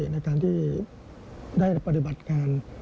ในการที่ได้ปฏิบัติการ